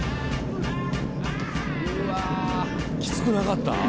うわキツくなかった？